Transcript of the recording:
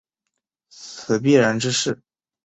此必然之势。